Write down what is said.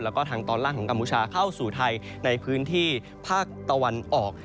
แล้วก็ทางตอนล่างของกัมพูชาเข้าสู่ไทยในพื้นที่ภาคตะวันออก